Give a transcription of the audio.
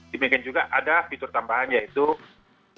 demikian juga ada fitur tambahan yaitu uang elektronik